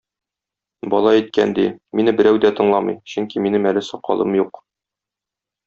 Бала әйткән ди: мине берәү дә тыңламый, чөнки минем әле сакалым юк.